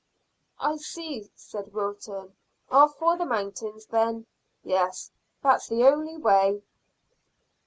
"I see," said Wilton. "Off for the mountains, then. Yes, that's the only way."